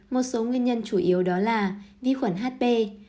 một số nguyên nhân chủ yếu đó là vi khuẩn hp